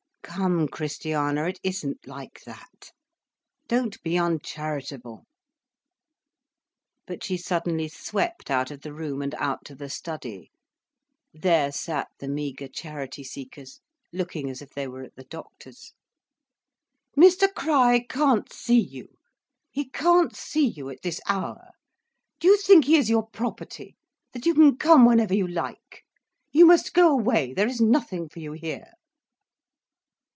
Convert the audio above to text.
"Come, Christiana, it isn't like that. Don't be uncharitable." But she suddenly swept out of the room, and out to the study. There sat the meagre charity seekers, looking as if they were at the doctor's. "Mr Crich can't see you. He can't see you at this hour. Do you think he is your property, that you can come whenever you like? You must go away, there is nothing for you here."